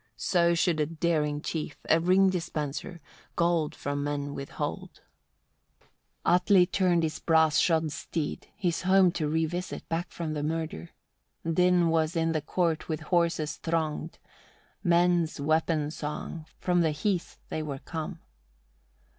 So should a daring chief, a ring dispenser, gold from men withhold. 32. Atli turned his brass shod steed, his home to revisit, back from the murder. Din was in the court with horses thronged, men's weapon song, from the heath they were come.